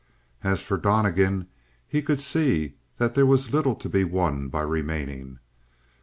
As for Donnegan, he could see that there was little to be won by remaining.